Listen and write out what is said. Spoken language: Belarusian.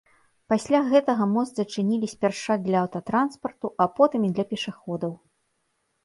Пасля гэтага мост зачынілі спярша для аўтатранспарту, а потым і для пешаходаў.